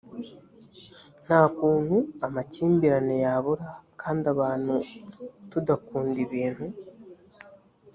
ntakuntu amakimbirane yabura kandi abantu tudakunda ibintu